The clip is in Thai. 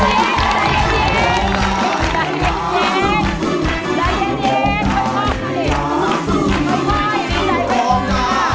ไม่ดีใจบ้าง